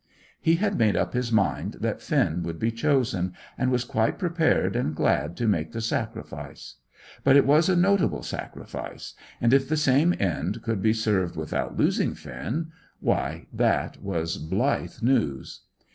He had made up his mind that Finn would be chosen, and was quite prepared and glad to make the sacrifice; but it was a notable sacrifice, and if the same end could be served without losing Finn, why that was blithe news.